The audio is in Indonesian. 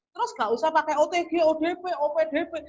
terus nggak usah pakai otg odp opdp